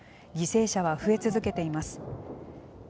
犠牲者は増え続けています。